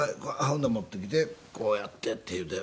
ほんなら持ってきてこうやってっていうて。